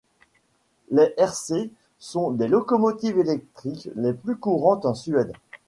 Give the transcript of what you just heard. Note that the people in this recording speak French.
Les Rc sont les locomotives électriques les plus courantes en Suède.